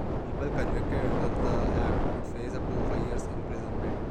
People convicted under the act could face up to five years imprisonment.